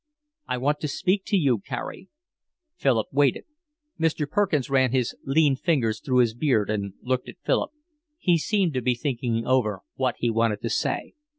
"I want to speak to you, Carey." Philip waited. Mr. Perkins ran his lean fingers through his beard and looked at Philip. He seemed to be thinking over what he wanted to say.